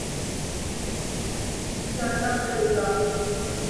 کسی اور ملک جانا پڑے گا